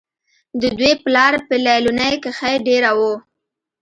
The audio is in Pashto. د دوي پلار پۀ ليلونۍ کښې دېره وو